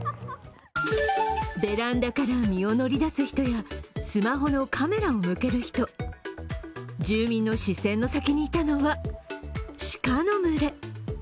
ベランダから身を乗り出す人やスマホのカメラを向ける人、住民の視線の先にいたのは鹿の群れ。